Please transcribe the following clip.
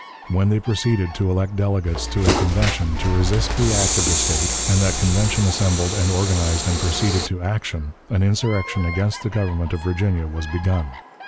When they proceeded to elect delegates to a convention to resist the act of the State, and that Convention assembled and organized and proceeded to action, an insurrection against the government of Virginia was begun.